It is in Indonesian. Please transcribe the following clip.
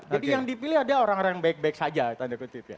jadi yang dipilih adalah orang orang yang baik baik saja tanda kutip ya